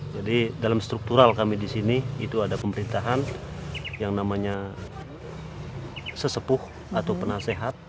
jadi dalam struktural kami disini itu ada pemerintahan yang namanya sesepuh atau penasehat